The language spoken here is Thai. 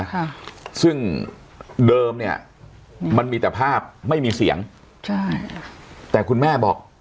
ค่ะซึ่งเดิมเนี้ยมันมีแต่ภาพไม่มีเสียงใช่แต่คุณแม่บอก